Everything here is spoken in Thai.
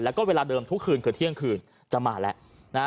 แล้วก็เวลาเดิมทุกคืนคือเที่ยงคืนจะมาแล้วนะฮะ